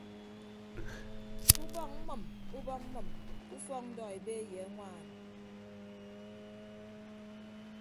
Ke ubọk mmʌm ubọk mmʌm ke ufọk ndọ ebe ye añwaan.